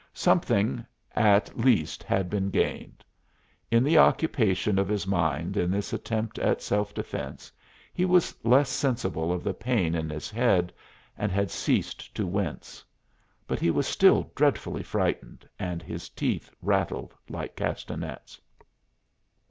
Something at least had been gained: in the occupation of his mind in this attempt at self defense he was less sensible of the pain in his head and had ceased to wince. But he was still dreadfully frightened and his teeth rattled like castanets.